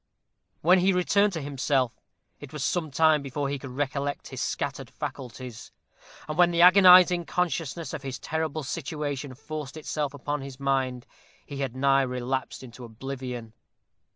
When he returned to himself, it was some time before he could collect his scattered faculties; and when the agonizing consciousness of his terrible situation forced itself upon his mind, he had nigh relapsed into oblivion.